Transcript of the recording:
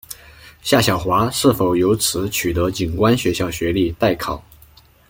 夏晓华是否由此取得警官学校学历待考。